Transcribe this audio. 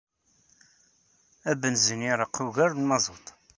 Abenzin yereqq ugar n umazut.